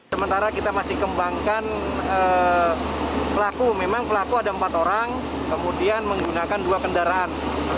sementara kita masih kembangkan pelaku memang pelaku ada empat orang kemudian menggunakan dua kendaraan